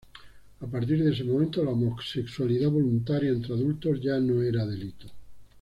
A partir de ese momento la homosexualidad voluntaria entre adultos ya no era delito.